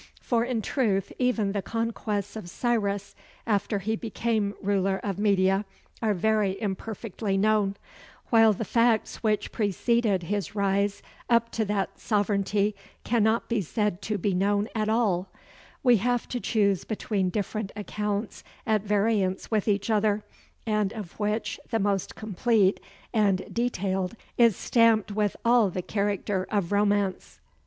For in truth even the conquests of Cyrus, after he became ruler of Media, are very imperfectly known, while the facts which preceded his rise up to that sovereignty cannot be said to be known at all: we have to choose between different accounts at variance with each other, and of which the most complete and detailed is stamped with all the character of romance.